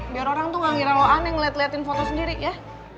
biar orang tuh gak ngira loan yang ngeliat liatin foto sendiri ya